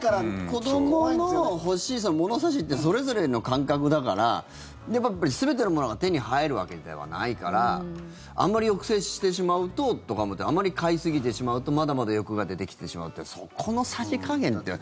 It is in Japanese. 子どもの欲しい物差しってそれぞれの感覚だからでも、やっぱり全てのものが手に入るわけではないからあまり抑制してしまうととかあまり買いすぎてしまうとまだまだ欲が出てきてしまってそこのさじ加減なんて。